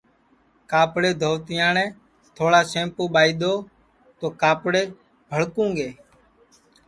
کاپڑے دھووَتے ئاٹؔیں تھوڑا سیمپُو ٻائی دؔو تو کاپڑے چمکُوں گے